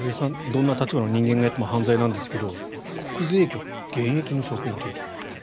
どんな立場の人間がやっても犯罪なんですが、国税局現役の職員ということです。